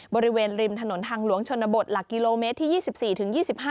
บริเวณริมถนนทางหลวงชนบทหลักกิโลเมตรที่๒๔ถึง๒๕